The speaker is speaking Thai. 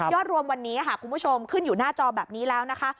รวมวันนี้ค่ะคุณผู้ชมขึ้นอยู่หน้าจอแบบนี้แล้วนะคะ